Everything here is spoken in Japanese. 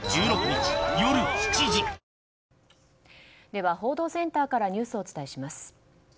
では報道センターからニュースをお伝えします。